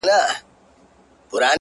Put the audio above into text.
چي د پايزېب د شرنگولو کيسه ختمه نه ده”